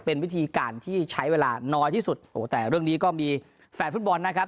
เป็นวิธีการที่ใช้เวลาน้อยที่สุดโอ้โหแต่เรื่องนี้ก็มีแฟนฟุตบอลนะครับ